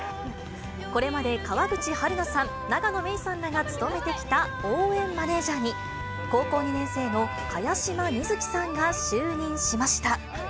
これまで川口春奈さん、永野芽郁さんらが務めてきた応援マネージャーに、高校２年生の茅島みずきさんが就任しました。